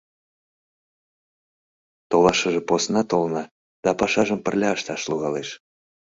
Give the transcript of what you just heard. Толашыже посна толна, да пашажым пырля ышташ логалеш.